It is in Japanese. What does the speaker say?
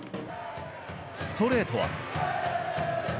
ストレートは。